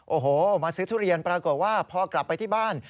โอ้โหมาซื้อทุเรียนปรากฏว่าพอกลับไปที่บ้าน